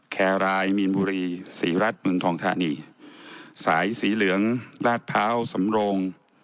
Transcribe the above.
แครรายมีนบุรีสีรัดมึงทองธานีสายสีเหลืองราดเภาสำรง